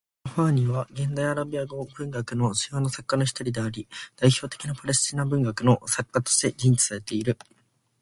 カナファーニーは、現代アラビア語文学の主要な作家の一人であり、代表的なパレスチナ文学の作家としても認知されている。